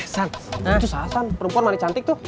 san itu si hasan penumpang manis cantik tuh